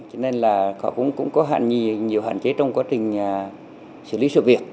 cho nên là họ cũng có nhiều hạn chế trong quá trình xử lý sự việc